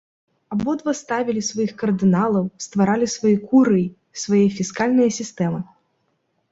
Абодва ставілі сваіх кардыналаў, стваралі свае курыі, свае фіскальныя сістэмы.